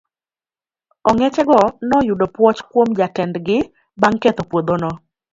Ong'eche go noyudo puoch kuom jatend gi bang' ketho puodhono.